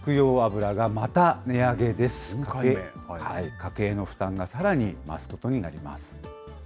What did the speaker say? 家計の負担がさらに増すことになります。